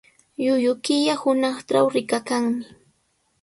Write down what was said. Llullu killa hunaqtraw rikakannami.